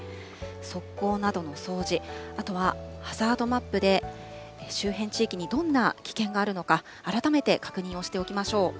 側溝などの掃除、あとはハザードマップで周辺地域にどんな危険があるのか、改めて確認をしておきましょう。